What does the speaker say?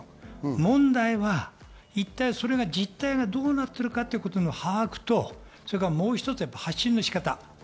問題は一体それが、実態がどうなっているかということの把握と、もう一つ、発信の仕方。